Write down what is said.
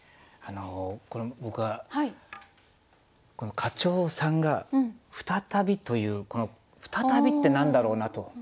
僕は課長さんが「ふたたび」というこの「ふたたび」って何だろうなと。